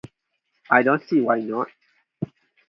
I don't see why not.